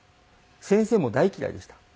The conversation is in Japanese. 先生も大嫌いでした。